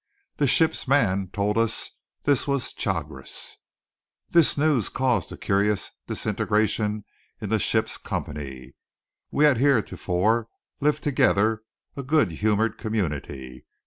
The ship's man told us this was Chagres. This news caused a curious disintegration in the ship's company. We had heretofore lived together a good humoured community.